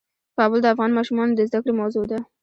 کابل د افغان ماشومانو د زده کړې موضوع ده.